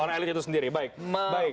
orang elit itu sendiri baik